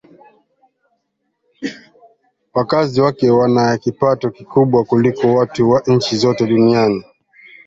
wakazi wake wana kipato kikubwa kuliko watu wa nchi zote duniani